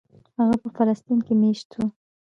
هغه په فلسطین کې مېشت شو.